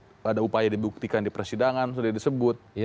yang sudah banyak upaya dibuktikan di persidangan sudah disebut